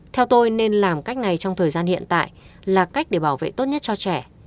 theo tôi nên làm cách này trong thời gian hiện tại là cách để bảo vệ tốt nhất cho trẻ